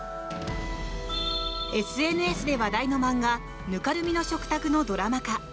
ＳＮＳで話題の漫画「泥濘の食卓」のドラマ化。